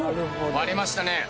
割れましたね。